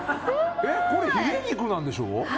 これヒレ肉なんでしょ？